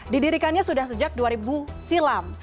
didirikannya sudah sejak dua ribu silam